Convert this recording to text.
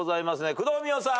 工藤美桜さん。